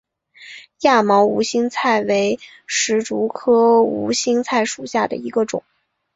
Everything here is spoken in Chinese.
亚毛无心菜为石竹科无心菜属下的一个种。